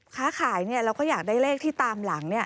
ค้าขายเราก็อยากได้เลขที่ตามหลัง